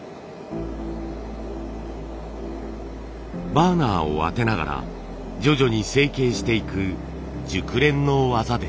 バーナーを当てながら徐々に成形していく熟練の技です。